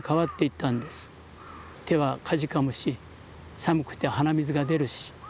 手はかじかむし寒くて鼻水が出るし。